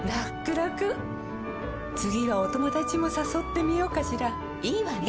らくらくはお友達もさそってみようかしらいいわね！